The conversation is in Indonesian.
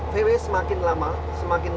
vw semakin lama semakin